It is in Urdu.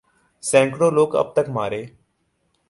سینکڑوں لوگ اب تک مارے